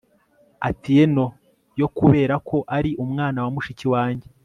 atieno yokubera ko ari umwana wa mushiki wanjye